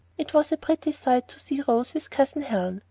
It was a pretty sight to see Rose with Cousin Helen.